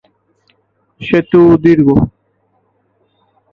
সেতু দীর্ঘ।